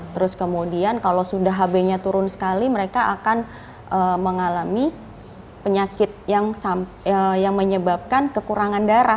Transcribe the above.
terus kemudian kalau sudah hb nya turun sekali mereka akan mengalami penyakit yang menyebabkan kekurangan darah